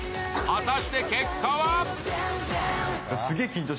果たして結果は？